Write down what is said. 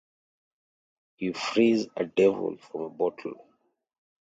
He frees a devil from a bottle.